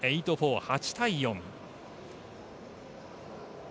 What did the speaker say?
８対４。